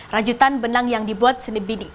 rajutan benang yang dibuat seni bidi